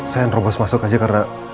sayang robos masuk aja karena